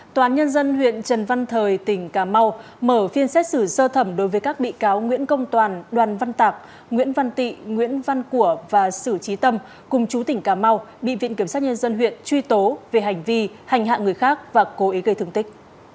tòa án nhân dân huyện trần văn thời tỉnh cà mau mở phiên xét xử sơ thẩm đối với các bị cáo nguyễn công toàn đoàn văn tạc nguyễn văn tị nguyễn văn của và sử trí tâm cùng chú tỉnh cà mau bị viện kiểm sát nhân dân huyện truy tố về hành vi hành hạ người khác và cố ý gây thương tích